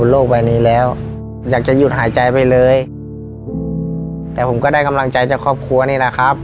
ใบนี้แล้วอยากจะหยุดหายใจไปเลยแต่ผมก็ได้กำลังใจจากครอบครัวนี่แหละครับ